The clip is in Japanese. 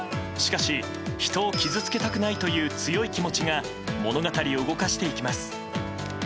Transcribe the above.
しかし人を傷つけたくないという強い気持ちが物語を動かしていきます。